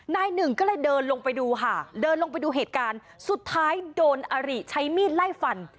นายหนึ่งก็เลยเดินลงไปดูค่ะเดินลงไปดูเหตุการณ์สุดท้ายโดนอาริใช้มีดไล่ฟัน